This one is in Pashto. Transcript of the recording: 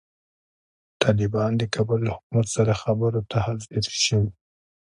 طالبان د کابل له حکومت سره خبرو ته حاضر شوي.